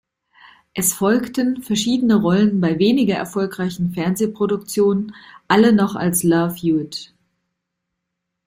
Es folgten verschiedene Rollen bei weniger erfolgreichen Fernsehproduktionen, alle noch als "Love Hewitt".